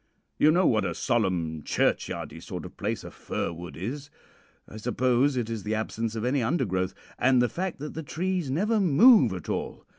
You know what a solemn, churchyardy sort of place a fir wood is. I suppose it is the absence of any undergrowth, and the fact that the trees never move at all.